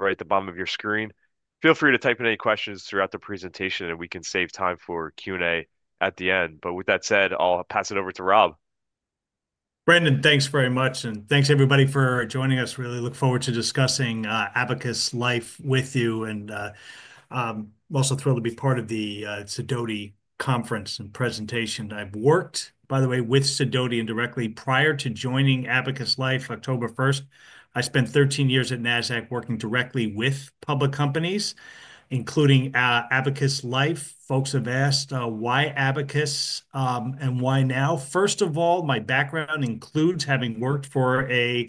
Right at the bottom of your screen. Feel free to type in any questions throughout the presentation, and we can save time for Q&A at the end. But with that said, I'll pass it over to Rob. Brendan, thanks very much, and thanks, everybody, for joining us. Really look forward to discussing Abacus Life with you, and I'm also thrilled to be part of the Sidoti conference and presentation. I've worked, by the way, with Sidoti indirectly. Prior to joining Abacus Life, October 1st, I spent 13 years at Nasdaq working directly with public companies, including Abacus Life. Folks have asked, why Abacus and why now? First of all, my background includes having worked for a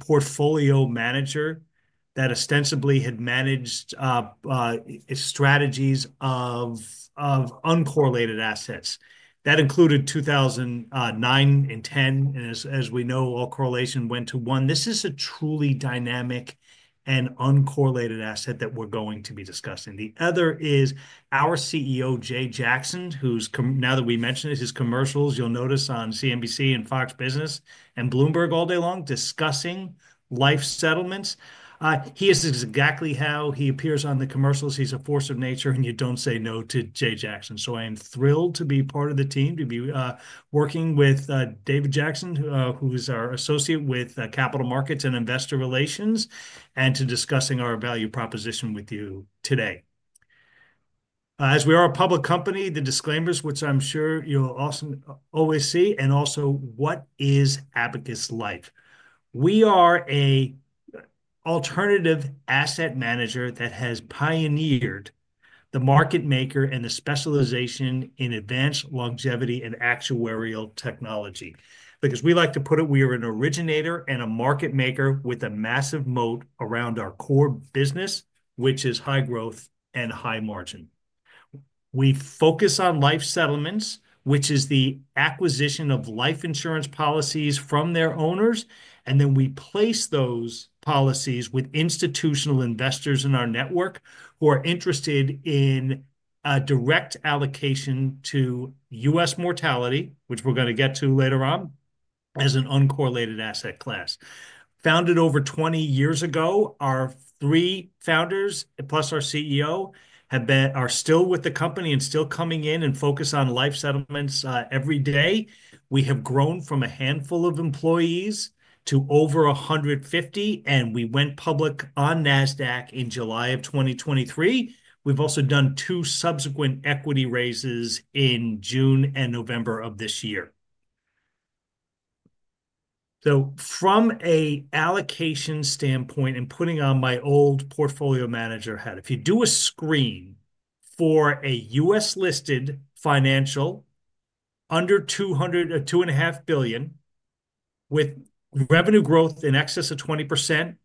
portfolio manager that ostensibly had managed strategies of uncorrelated assets. That included 2009 and 2010, and as we know, all correlation went to one. This is a truly dynamic and uncorrelated asset that we're going to be discussing. The other is our CEO, Jay Jackson, who's, now that we mentioned it, his commercials, you'll notice on CNBC and Fox Business and Bloomberg all day long discussing life settlements. He is exactly how he appears on the commercials. He's a force of nature, and you don't say no to Jay Jackson. So I am thrilled to be part of the team, to be working with David Jackson, who is our associate with Capital Markets and Investor Relations, and to discussing our value proposition with you today. As we are a public company, the disclaimers, which I'm sure you'll also always see, and also, what is Abacus Life? We are an alternative asset manager that has pioneered the market maker and the specialization in advanced longevity and actuarial technology. Because we like to put it, we are an originator and a market maker with a massive moat around our core business, which is high growth and high margin. We focus on life settlements, which is the acquisition of life insurance policies from their owners, and then we place those policies with institutional investors in our network who are interested in a direct allocation to U.S. mortality, which we're going to get to later on, as an uncorrelated asset class. Founded over 20 years ago, our three founders, plus our CEO, are still with the company and still coming in and focus on life settlements every day. We have grown from a handful of employees to over 150, and we went public on Nasdaq in July of 2023. We've also done two subsequent equity raises in June and November of this year. From an allocation standpoint, and putting on my old portfolio manager hat, if you do a screen for a U.S.-listed financial under $200 million and $2.5 billion, with revenue growth in excess of 20%,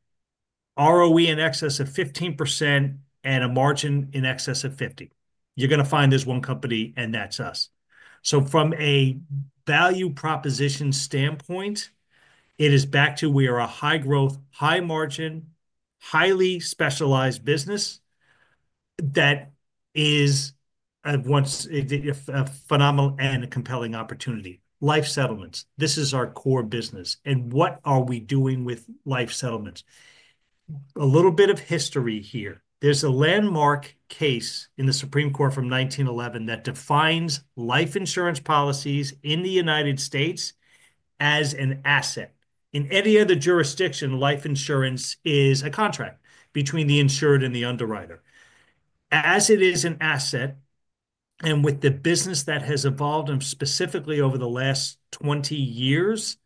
ROE in excess of 15%, and a margin in excess of 50%, you're going to find there's one company, and that's us. From a value proposition standpoint, it is back to we are a high growth, high margin, highly specialized business that is a phenomenal and a compelling opportunity. Life settlements, this is our core business. And what are we doing with life settlements? A little bit of history here. There's a landmark case in the Supreme Court from 1911 that defines life insurance policies in the United States as an asset. In any other jurisdiction, life insurance is a contract between the insured and the underwriter. As it is an asset, and with the business that has evolved specifically over the last 20 years,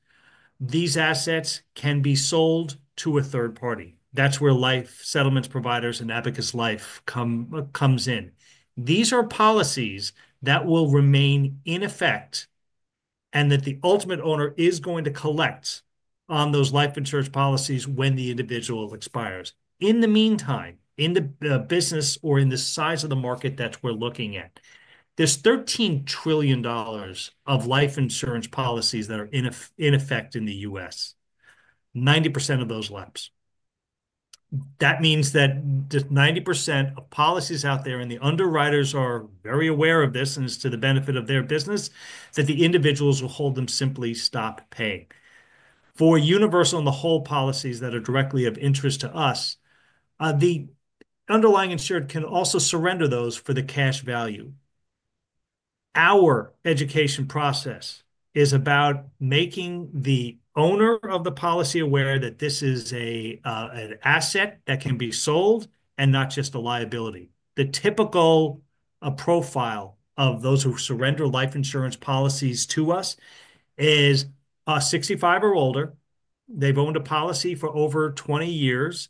these assets can be sold to a third party. That's where life settlements providers and Abacus Life comes in. These are policies that will remain in effect and that the ultimate owner is going to collect on those life insurance policies when the individual expires. In the meantime, in the business or in the size of the market that we're looking at, there's $13 trillion of life insurance policies that are in effect in the U.S. 90% of those lapse. That means that 90% of policies out there, and the underwriters are very aware of this, and it's to the benefit of their business, that the individuals will hold them simply stop paying. For universal and whole policies that are directly of interest to us, the underlying insured can also surrender those for the cash value. Our education process is about making the owner of the policy aware that this is an asset that can be sold and not just a liability. The typical profile of those who surrender life insurance policies to us is a 65 or older. They've owned a policy for over 20 years.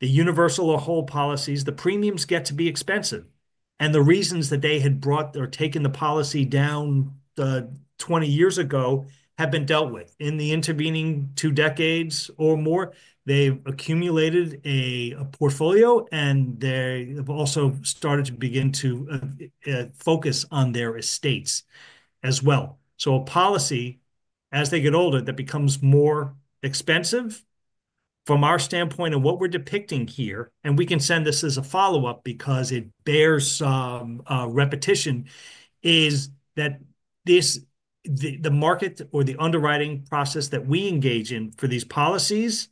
The universal or whole policies, the premiums get to be expensive, and the reasons that they had bought or taken the policy out 20 years ago have been dealt with. In the intervening two decades or more, they've accumulated a portfolio, and they've also started to begin to focus on their estates as well, so a policy, as they get older, that becomes more expensive. From our standpoint, and what we're depicting here, and we can send this as a follow-up because it bears repetition, is that the market or the underwriting process that we engage in for these policies.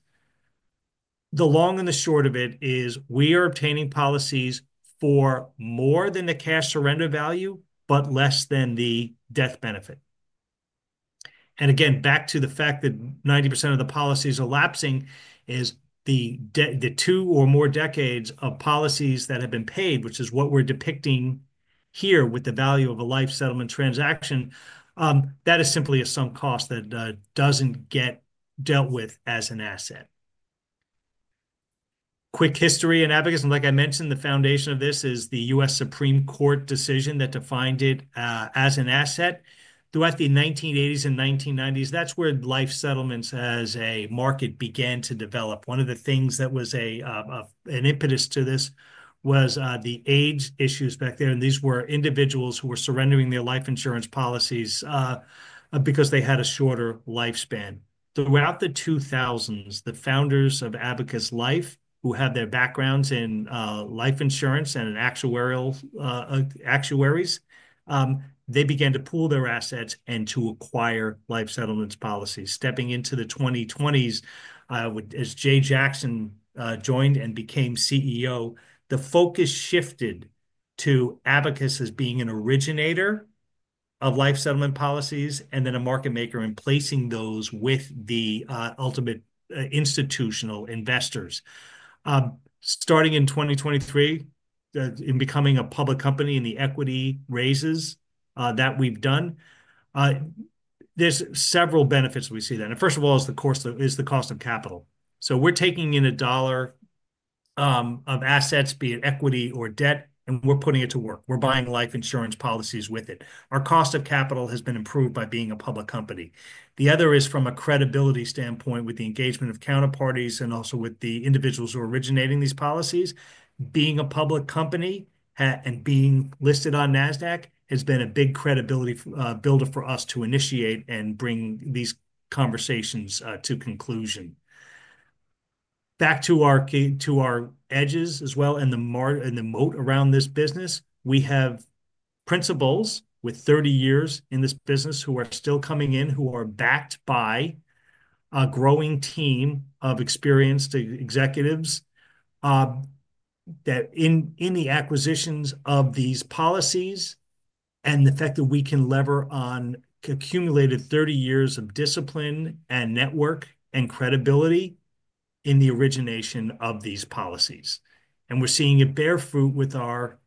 The long and the short of it is we are obtaining policies for more than the cash surrender value, but less than the death benefit, and again, back to the fact that 90% of the policies are lapsing, is the two or more decades of policies that have been paid, which is what we're depicting here with the value of a life settlement transaction, that is simply a sunk cost that doesn't get dealt with as an asset. Quick history in Abacus, and like I mentioned, the foundation of this is the U.S. Supreme Court decision that defined it as an asset. Throughout the 1980s and 1990s, that's where life settlements as a market began to develop. One of the things that was an impetus to this was the age issues back there, and these were individuals who were surrendering their life insurance policies because they had a shorter lifespan. Throughout the 2000s, the founders of Abacus Life, who had their backgrounds in life insurance and actuaries, they began to pool their assets and to acquire life settlements policies. Stepping into the 2020s, as Jay Jackson joined and became CEO, the focus shifted to Abacus as being an originator of life settlement policies and then a market maker in placing those with the ultimate institutional investors. Starting in 2023, in becoming a public company and the equity raises that we've done, there's several benefits we see there. And first of all, is the cost of capital. So we're taking in $1 of assets, be it equity or debt, and we're putting it to work. We're buying life insurance policies with it. Our cost of capital has been improved by being a public company. The other is from a credibility standpoint with the engagement of counterparties and also with the individuals who are originating these policies. Being a public company and being listed on Nasdaq has been a big credibility builder for us to initiate and bring these conversations to conclusion. Back to our edges as well and the moat around this business, we have principals with 30 years in this business who are still coming in, who are backed by a growing team of experienced executives that in the acquisitions of these policies and the fact that we can leverage on accumulated 30 years of discipline and network and credibility in the origination of these policies, and we're seeing it bear fruit with our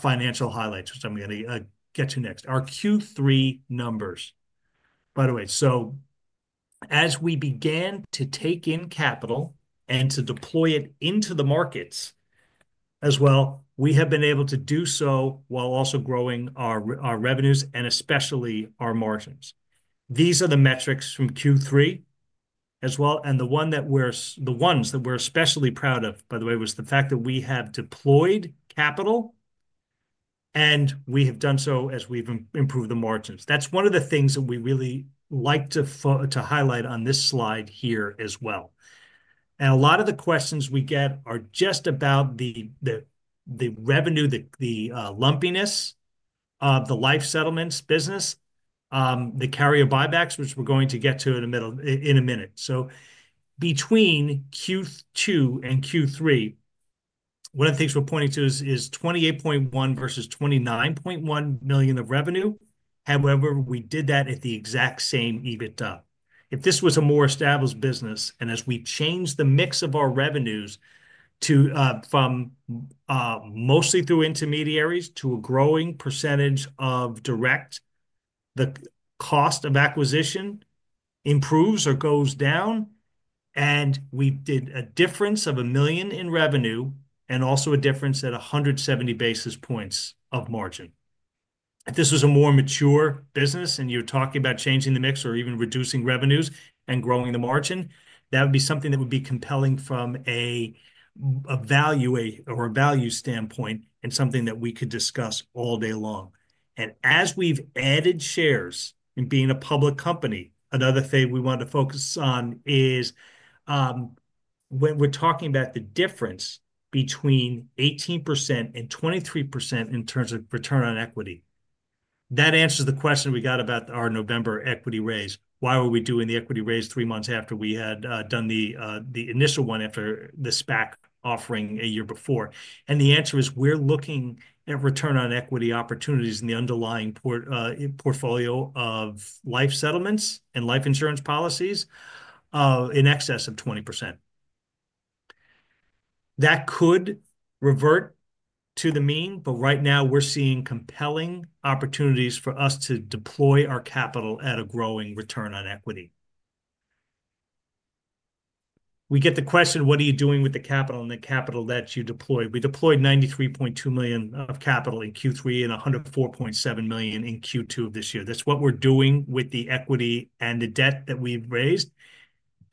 financial highlights, which I'm going to get to next. Our Q3 numbers, by the way. So as we began to take in capital and to deploy it into the markets as well, we have been able to do so while also growing our revenues and especially our margins. These are the metrics from Q3 as well, and the one that we're especially proud of, by the way, was the fact that we have deployed capital and we have done so as we've improved the margins. That's one of the things that we really like to highlight on this slide here as well. And a lot of the questions we get are just about the revenue, the lumpiness of the life settlements business, the carrier buybacks, which we're going to get to in a minute. So between Q2 and Q3, one of the things we're pointing to is $28.1 million versus $29.1 million of revenue. However, we did that at the exact same EBITDA. If this was a more established business, and as we changed the mix of our revenues from mostly through intermediaries to a growing percentage of direct, the cost of acquisition improves or goes down, and we did a difference of $1 million in revenue and also a difference at 170 basis points of margin. If this was a more mature business and you're talking about changing the mix or even reducing revenues and growing the margin, that would be something that would be compelling from a value standpoint and something that we could discuss all day long. We've added shares in being a public company. Another thing we want to focus on is when we're talking about the difference between 18% and 23% in terms of return on equity. That answers the question we got about our November equity raise. Why were we doing the equity raise three months after we had done the initial one after the SPAC offering a year before? The answer is we're looking at return on equity opportunities in the underlying portfolio of life settlements and life insurance policies in excess of 20%. That could revert to the mean, but right now we're seeing compelling opportunities for us to deploy our capital at a growing return on equity. We get the question, what are you doing with the capital and the capital that you deployed? We deployed $93.2 million of capital in Q3 and $104.7 million in Q2 of this year. That's what we're doing with the equity and the debt that we've raised,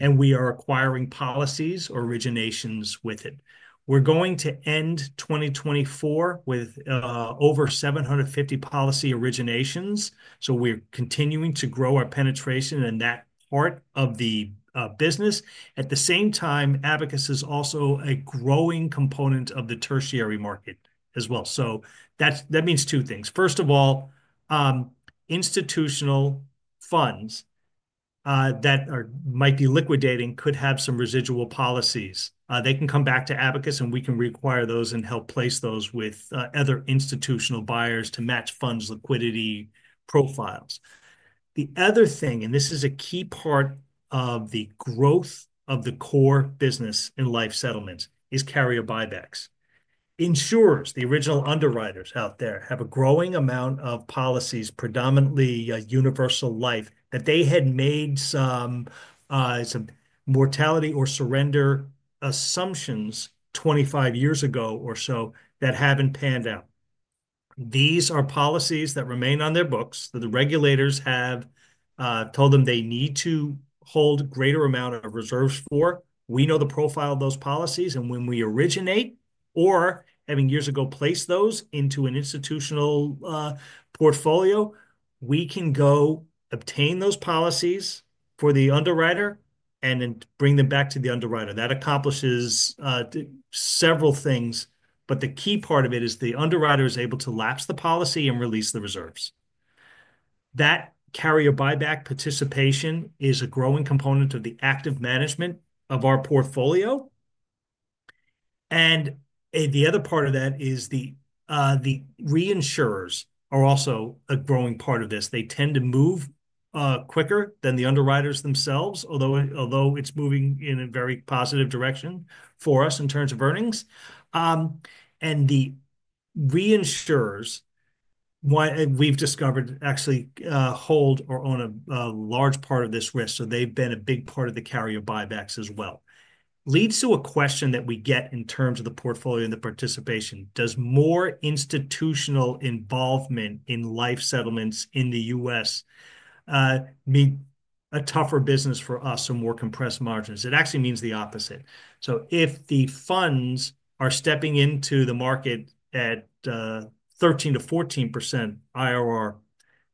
and we are acquiring policies or originations with it. We're going to end 2024 with over 750 policy originations. So we're continuing to grow our penetration in that part of the business. At the same time, Abacus is also a growing component of the tertiary market as well. So that means two things. First of all, institutional funds that might be liquidating could have some residual policies. They can come back to Abacus, and we can acquire those and help place those with other institutional buyers to match funds liquidity profiles. The other thing, and this is a key part of the growth of the core business in life settlements, is carrier buybacks. Insurers, the original underwriters out there, have a growing amount of policies, predominantly universal life, that they had made some mortality or surrender assumptions 25 years ago or so that haven't panned out. These are policies that remain on their books that the regulators have told them they need to hold a greater amount of reserves for. We know the profile of those policies, and when we originate or, having years ago, place those into an institutional portfolio, we can go obtain those policies for the underwriter and then bring them back to the underwriter. That accomplishes several things, but the key part of it is the underwriter is able to lapse the policy and release the reserves. That carrier buyback participation is a growing component of the active management of our portfolio. And the other part of that is the reinsurers are also a growing part of this. They tend to move quicker than the underwriters themselves, although it's moving in a very positive direction for us in terms of earnings. And the reinsurers, we've discovered, actually hold or own a large part of this risk. So they've been a big part of the carrier buybacks as well. Leads to a question that we get in terms of the portfolio and the participation. Does more institutional involvement in life settlements in the U.S. mean a tougher business for us or more compressed margins? It actually means the opposite. So if the funds are stepping into the market at 13%-14% IRR,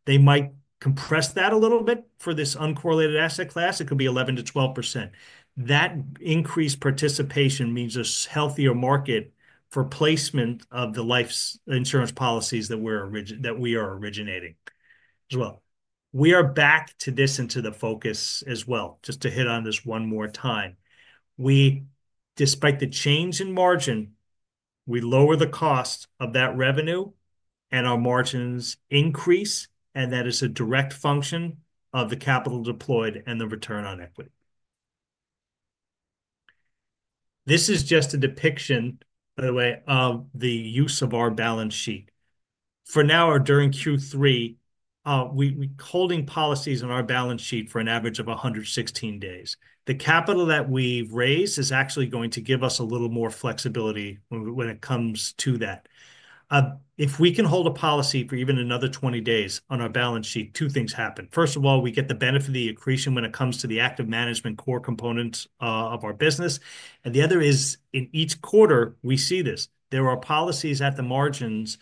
they might compress that a little bit for this uncorrelated asset class. It could be 11%-12%. That increased participation means a healthier market for placement of the life insurance policies that we are originating as well. We are back to this into the focus as well, just to hit on this one more time. Despite the change in margin, we lower the cost of that revenue, and our margins increase, and that is a direct function of the capital deployed and the return on equity. This is just a depiction, by the way, of the use of our balance sheet. For now, or during Q3, we're holding policies on our balance sheet for an average of 116 days. The capital that we've raised is actually going to give us a little more flexibility when it comes to that. If we can hold a policy for even another 20 days on our balance sheet, two things happen. First of all, we get the benefit of the accretion when it comes to the active management core components of our business. And the other is, in each quarter, we see this. There are policies at the margins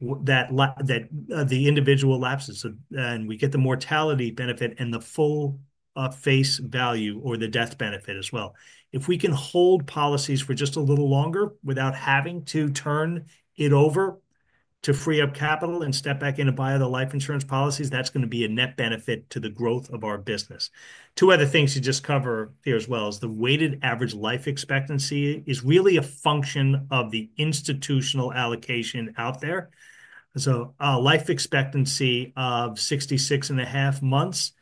that the individual lapses, and we get the mortality benefit and the full face value or the death benefit as well. If we can hold policies for just a little longer without having to turn it over to free up capital and step back in to buy the life insurance policies, that's going to be a net benefit to the growth of our business. Two other things to just cover here as well is the weighted average life expectancy is really a function of the institutional allocation out there. So life expectancy of 66.5 months,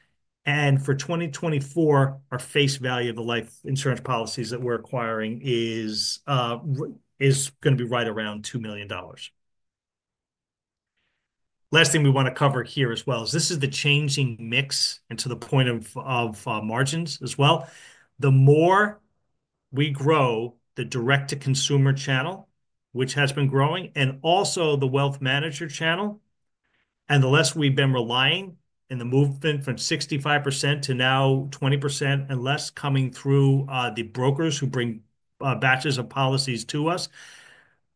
and for 2024, our face value of the life insurance policies that we're acquiring is going to be right around $2 million. Last thing we want to cover here as well is this is the changing mix and to the point of margins as well. The more we grow the direct-to-consumer channel, which has been growing, and also the wealth manager channel, and the less we've been relying in the movement from 65% to now 20% and less coming through the brokers who bring batches of policies to us,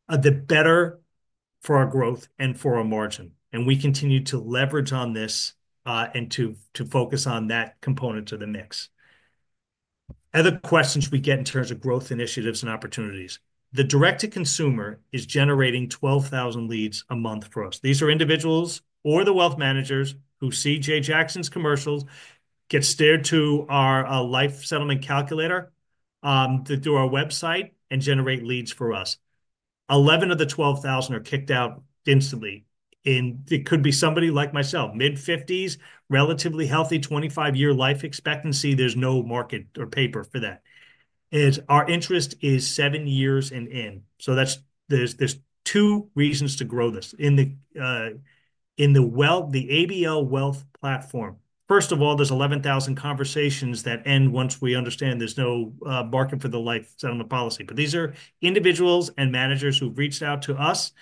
the better for our growth and for our margin. And we continue to leverage on this and to focus on that component of the mix. Other questions we get in terms of growth initiatives and opportunities. The direct-to-consumer is generating 12,000 leads a month for us. These are individuals or the wealth managers who see Jay Jackson's commercials, get steered to our Life Settlement Calculator, through our website and generate leads for us. 11,000 of the 12,000 are kicked out instantly. It could be somebody like myself, mid-50s, relatively healthy, 25-year life expectancy. There's no market or paper for that. Our interest is seven years and in, so there's two reasons to grow this. In the ABL Wealth platform, first of all, there's 11,000 conversations that end once we understand there's no market for the life settlement policy. But these are individuals and managers who've reached out to us,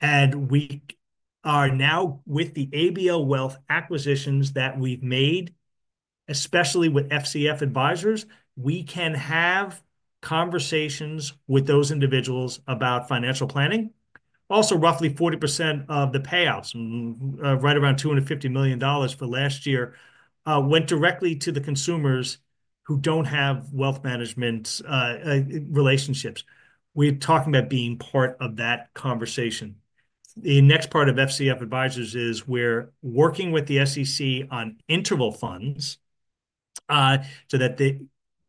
and we are now with the ABL Wealth acquisitions that we've made, especially with FCF Advisors. We can have conversations with those individuals about financial planning. Also, roughly 40% of the payouts, right around $250 million for last year, went directly to the consumers who don't have wealth management relationships. We're talking about being part of that conversation. The next part of FCF Advisors is we're working with the SEC on interval funds so that the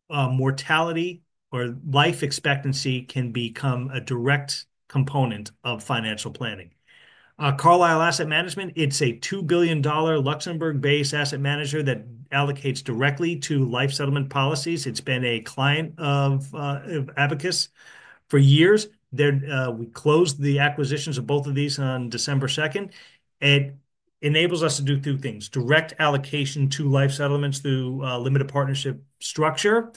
mortality or life expectancy can become a direct component of financial planning. Carlisle Management Company, it's a $2 billion Luxembourg-based asset manager that allocates directly to life settlement policies. It's been a client of Abacus for years. We closed the acquisitions of both of these on December 2nd. It enables us to do two things: direct allocation to life settlements through a limited partnership structure.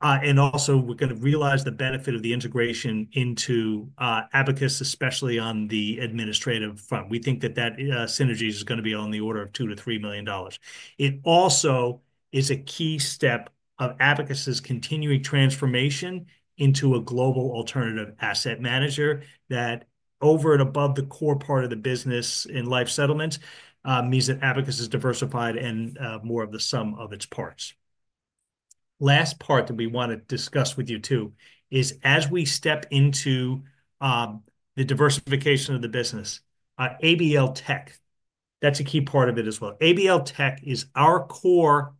And also, we're going to realize the benefit of the integration into Abacus, especially on the administrative front. We think that that synergy is going to be on the order of $2 million-$3 million. It also is a key step of Abacus's continuing transformation into a global alternative asset manager that, over and above the core part of the business in life settlements, means that Abacus is diversified and more of the sum of its parts. Last part that we want to discuss with you too is, as we step into the diversification of the business, ABL Tech, that's a key part of it as well. ABL Tech is our core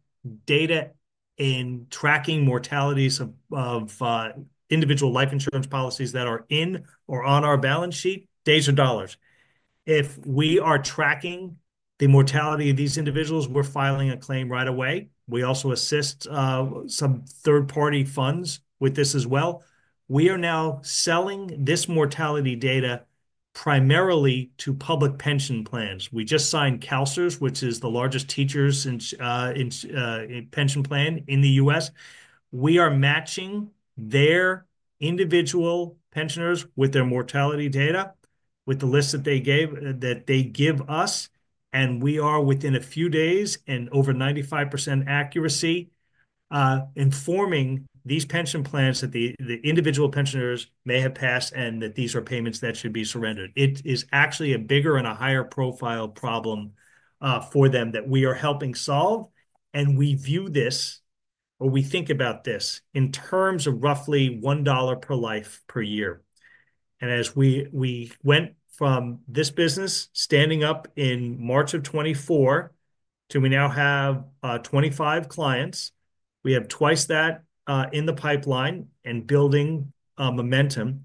data in tracking mortalities of individual life insurance policies that are in or on our balance sheet, days or dollars. If we are tracking the mortality of these individuals, we're filing a claim right away. We also assist some third-party funds with this as well. We are now selling this mortality data primarily to public pension plans. We just signed CalSTRS, which is the largest teachers' pension plan in the U.S. We are matching their individual pensioners with their mortality data, with the list that they give us, and we are, within a few days and over 95% accuracy, informing these pension plans that the individual pensioners may have passed and that these are payments that should be surrendered. It is actually a bigger and a higher profile problem for them that we are helping solve, and we view this, or we think about this, in terms of roughly one dollar per life per year, and as we went from this business standing up in March of 2024 to we now have 25 clients, we have twice that in the pipeline and building momentum,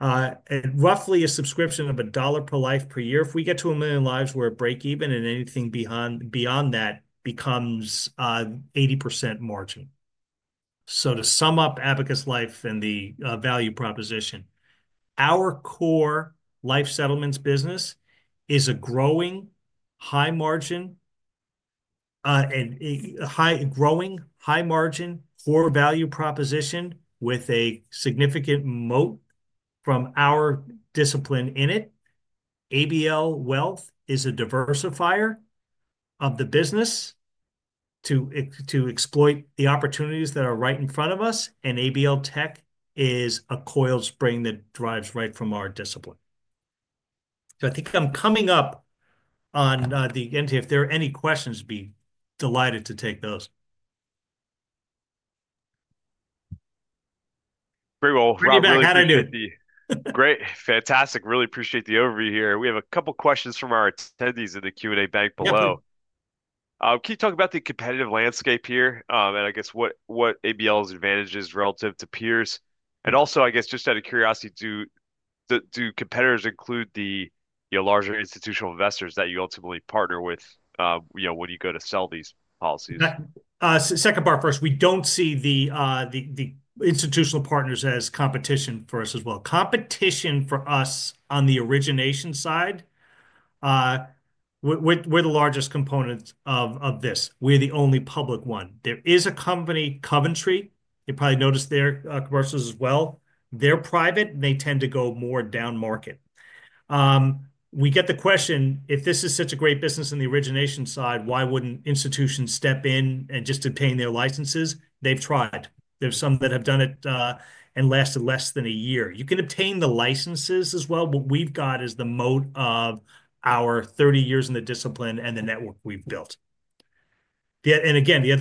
roughly a subscription of a dollar per life per year. If we get to a million lives, we're at breakeven, and anything beyond that becomes 80% margin. So to sum up Abacus Life and the value proposition, our core life settlements business is a growing high margin and growing high margin core value proposition with a significant moat from our discipline in it. ABL Wealth is a diversifier of the business to exploit the opportunities that are right in front of us, and ABL Tech is a coiled spring that drives right from our discipline. So I think I'm coming up on the end here. If there are any questions, I'd be delighted to take those. Pretty well. How'd I do? Great. Fantastic. Really appreciate the overview here. We have a couple of questions from our attendees in the Q&A bank below. Can you talk about the competitive landscape here and, I guess, what ABL's advantage is relative to peers? And also, I guess, just out of curiosity, do competitors include the larger institutional investors that you ultimately partner with when you go to sell these policies? Second part first. We don't see the institutional partners as competition for us as well. Competition for us on the origination side, we're the largest component of this. We're the only public one. There is a company, Coventry. You probably noticed their commercials as well. They're private, and they tend to go more down market. We get the question, "If this is such a great business on the origination side, why wouldn't institutions step in and just obtain their licenses?" They've tried. There's some that have done it and lasted less than a year. You can obtain the licenses as well. What we've got is the moat of our 30 years in the discipline and the network we've built. And again, the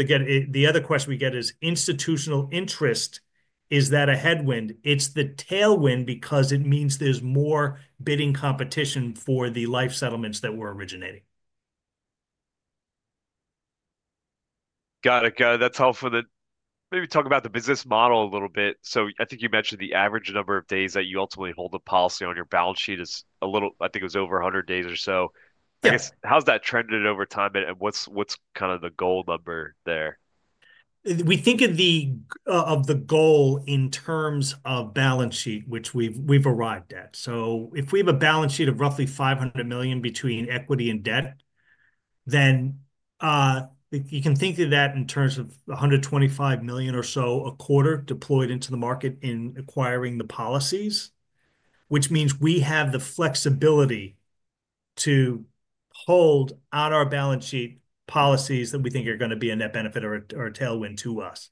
other question we get is, "Institutional interest, is that a headwind?" It's the tailwind because it means there's more bidding competition for the life settlements that we're originating. Got it. Got it. That's helpful. Maybe talk about the business model a little bit. So I think you mentioned the average number of days that you ultimately hold a policy on your balance sheet is a little. I think it was over 100 days or so. I guess, how's that trended over time, and what's kind of the goal number there? We think of the goal in terms of balance sheet, which we've arrived at. So if we have a balance sheet of roughly $500 million between equity and debt, then you can think of that in terms of $125 million or so, a quarter deployed into the market in acquiring the policies, which means we have the flexibility to hold on our balance sheet policies that we think are going to be a net benefit or a tailwind to us.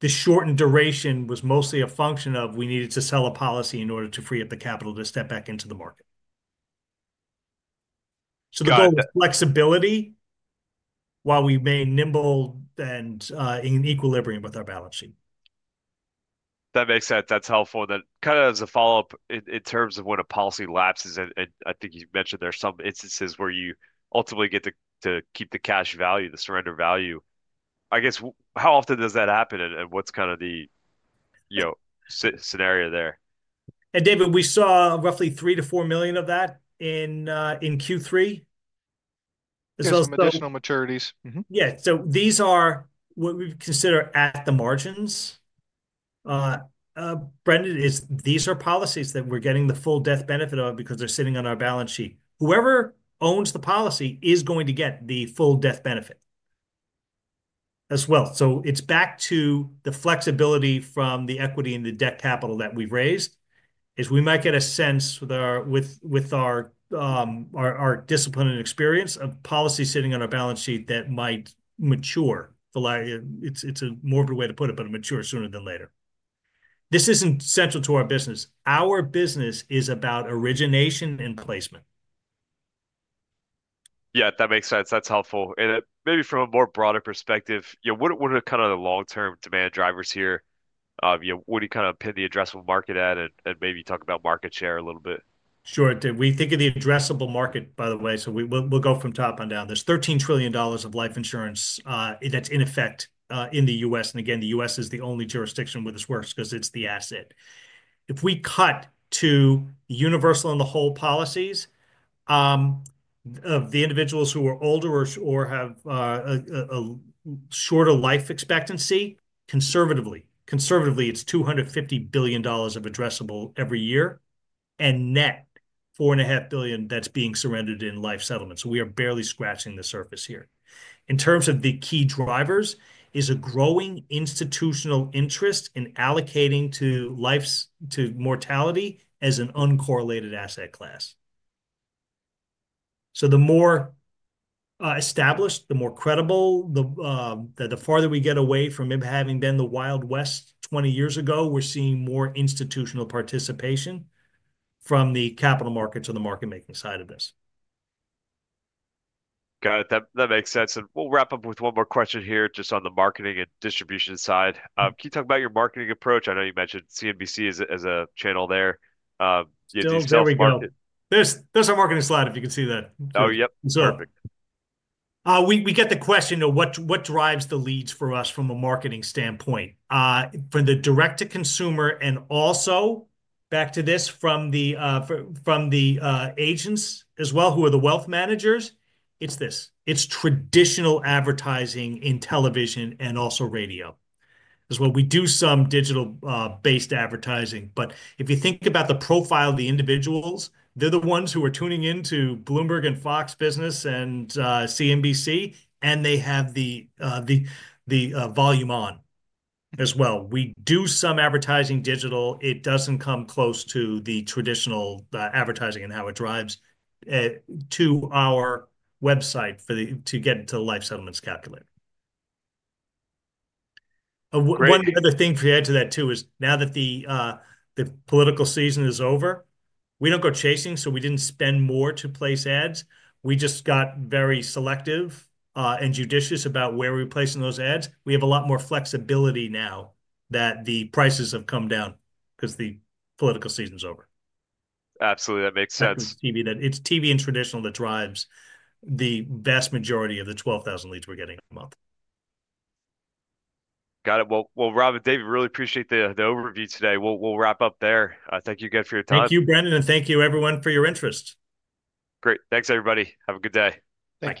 The shortened duration was mostly a function of we needed to sell a policy in order to free up the capital to step back into the market. So the goal is flexibility while we remain nimble and in equilibrium with our balance sheet. That makes sense. That's helpful. Kind of as a follow-up, in terms of when a policy lapses, I think you mentioned there's some instances where you ultimately get to keep the cash value, the surrender value. I guess, how often does that happen, and what's kind of the scenario there? And David, we saw roughly $3-$4 million of that in Q3. Those are the additional maturities. Yeah. So these are what we consider at the margins. Brendan, these are policies that we're getting the full death benefit of because they're sitting on our balance sheet. Whoever owns the policy is going to get the full death benefit as well. So it's back to the flexibility from the equity and the debt capital that we've raised, as we might get a sense with our discipline and experience of policy sitting on our balance sheet that might mature. It's a morbid way to put it, but it matures sooner than later. This isn't central to our business. Our business is about origination and placement. Yeah. That makes sense. That's helpful. Maybe from a more broader perspective, what are kind of the long-term demand drivers here? What do you kind of pin the addressable market at and maybe talk about market share a little bit? Sure. We think of the addressable market, by the way. So we'll go from top and down. There's $13 trillion of life insurance that's in effect in the U.S. And again, the U.S. is the only jurisdiction where this works because it's the asset. If we cut to universal and the whole policies of the individuals who are older or have a shorter life expectancy, conservatively, it's $250 billion of addressable every year. And net, $4.5 billion that's being surrendered in life settlements. So we are barely scratching the surface here. In terms of the key drivers, it's a growing institutional interest in allocating to mortality as an uncorrelated asset class. So the more established, the more credible, the farther we get away from having been the Wild West 20 years ago, we're seeing more institutional participation from the capital markets on the market-making side of this. Got it. That makes sense. And we'll wrap up with one more question here just on the marketing and distribution side. Can you talk about your marketing approach? I know you mentioned CNBC as a channel there. Yeah. There's our marketing slide, if you can see that. Oh, yep. Perfect. We get the question of what drives the leads for us from a marketing standpoint, from the direct-to-consumer and also back to this from the agents as well, who are the wealth managers. It's this. It's traditional advertising in television and also radio. As well, we do some digital-based advertising. But if you think about the profile of the individuals, they're the ones who are tuning into Bloomberg and Fox Business and CNBC, and they have the volume on as well. We do some advertising digital. It doesn't come close to the traditional advertising and how it drives to our website to get into the life settlements calculator. One other thing to add to that too is now that the political season is over, we don't go chasing, so we didn't spend more to place ads. We just got very selective and judicious about where we're placing those ads. We have a lot more flexibility now that the prices have come down because the political season's over. Absolutely. That makes sense. It's TV and traditional that drives the vast majority of the 12,000 leads we're getting a month. Got it. Well, Rob and David, really appreciate the overview today. We'll wrap up there. Thank you again for your time. Thank you, Brendan, and thank you, everyone, for your interest. Great. Thanks, everybody. Have a good day. Thank you.